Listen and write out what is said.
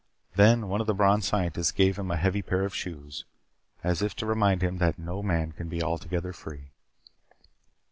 Then one of the Brons' scientists gave him a heavy pair of shoes as if to remind him that no man can be altogether free.